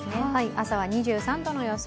朝は２３度の予想。